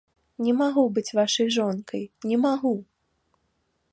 Не магу быць вашай жонкай, не магу.